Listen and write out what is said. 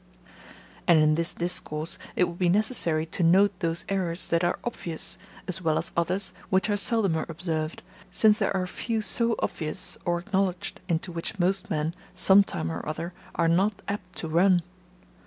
And in this discourse it will be necessary to note those errors that are obvious, as well as others which are seldomer observed, since there are few so obvious, or acknowledged, into which most men, some time or other, are not apt to run.